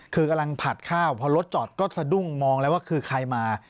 คือกำลังผัดข้าวพอรถจอดก็สะดุ้งมองแล้วว่าคือใครมา